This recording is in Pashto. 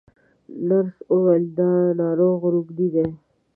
نرس وویل دا ناروغ روږدی دی.